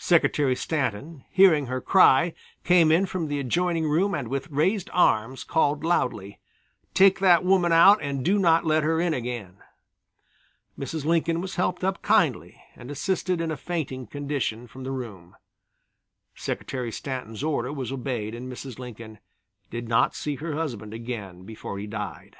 Secretary Stanton hearing her cry came in from the adjoining room and with raised arms called out loudly: "Take that woman out and do not let her in again." Mrs. Lincoln was helped up kindly and assisted in a fainting condition from the room. Secretary Stanton's order was obeyed and Mrs. Lincoln did not see her husband again before he died.